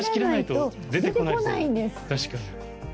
確かに。